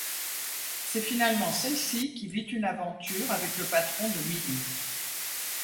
C'est finalement celle-ci qui vit une aventure avec le patron de Millie.